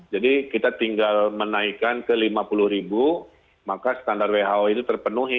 jadi kita tinggal menaikkan ke lima puluh ribu maka standar who itu terpenuhi